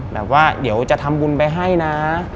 แบบว่าเดี๋ยวจะทำบุญไปให้นะ